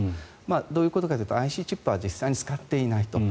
どういうことかというとＩＣチップは実際に使っていないと。